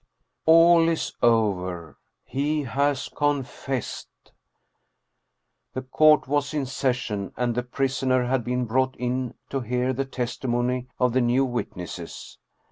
All is over. He has confessed. The court was in session and the prisoner had been brought in to hear the testimony of the new witnesses.